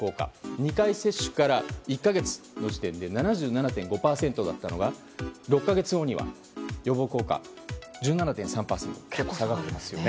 ２回接種から１か月の時点で７７．５％だったのが６か月後には予防効果１７．３％結構下がっていますよね。